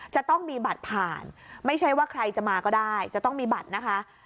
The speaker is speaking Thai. จะต้องมีบัตรผ่านไม่ใช่ว่าใครจะมาก็ได้จะต้องมีบัตรนะคะ